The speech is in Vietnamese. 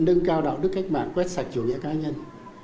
nâng cao đạo đức cách mạng quét sạch chủ nghĩa cá nhân